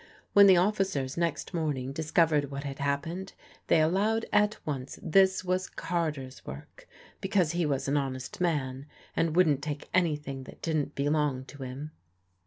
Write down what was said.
When the officers next morning discovered what had happened, they allowed at once this was Carter's work, because he was an honest man and wouldn't take anything that didn't belong to him.